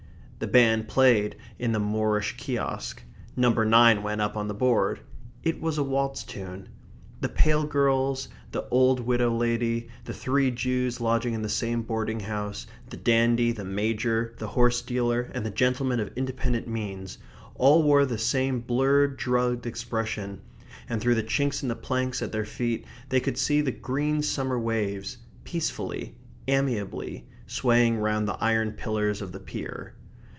The band played in the Moorish kiosk. Number nine went up on the board. It was a waltz tune. The pale girls, the old widow lady, the three Jews lodging in the same boarding house, the dandy, the major, the horse dealer, and the gentleman of independent means, all wore the same blurred, drugged expression, and through the chinks in the planks at their feet they could see the green summer waves, peacefully, amiably, swaying round the iron pillars of the pier.